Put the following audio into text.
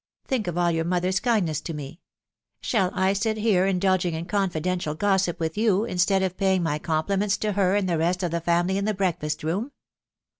Think of all your mother's kindness to me •... Shall I sit here indulging in confidential gossip with you, instead of paying my compliments to her and the rest of the family in the breakfast room